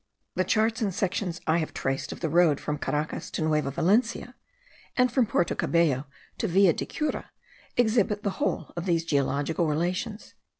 The charts and sections I have traced of the road from Caracas to Nueva Valencia, and from Porto Cabello to Villa de Cura, exhibit the whole of these geological relations.)